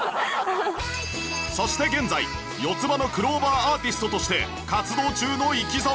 そして現在四つ葉のクローバーアーティストとして活動中の生澤さん